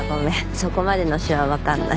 そこまでの手話わかんない。